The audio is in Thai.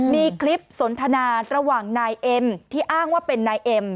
มีคลิปสนทนาระหว่างนายเอ็มที่อ้างว่าเป็นนายเอ็ม